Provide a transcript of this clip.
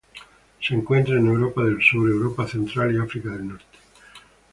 Se encuentra en Europa del sur, Europa central y África Del norte.